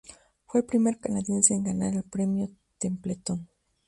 Fue el primer canadiense en ganar el Premio Templeton.